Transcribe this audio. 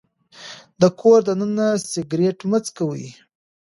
د کور دننه سګرټ مه څکوئ.